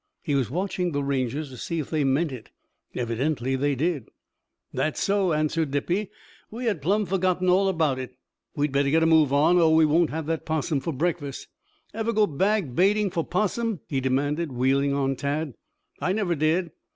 He was watching the Rangers to see if they meant it. Evidently they did. "That's so," answered Dippy. "We had plumb forgotten all about it. We better get a move on or we won't have that 'possum for breakfast. Ever go bag baiting for 'possum?" he demanded wheeling on Tad. "I never did."